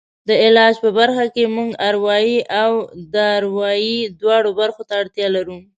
د علاج په برخه کې موږ اروایي او دارویي دواړو برخو ته اړتیا لرو.